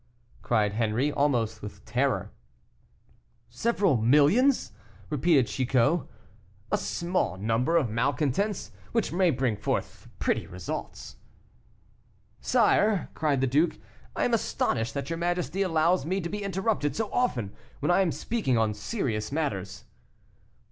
cried Henri, almost with terror. "Several millions!" repeated Chicot; "a small number of malcontents, which may bring forth pretty results." "Sire," cried the duke, "I am astonished that your majesty allows me to be interrupted so often, when I am speaking on serious matters."